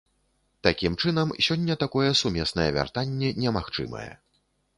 Такім чынам, сёння такое сумеснае вяртанне немагчымае.